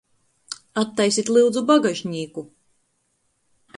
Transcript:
Attaisit, lyudzu, bagažnīku!